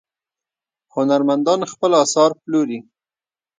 هنرمندان خپل اثار پلوري.